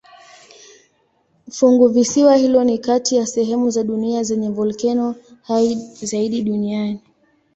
Funguvisiwa hilo ni kati ya sehemu za dunia zenye volkeno hai zaidi duniani.